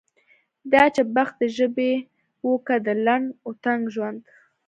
دا چې بخت د ژبې و که د لنډ و تنګ ژوند.